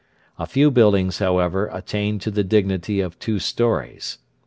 A few buildings, however, attain to the dignity of two storeys.